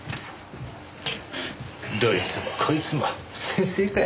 どいつもこいつも先生かよ。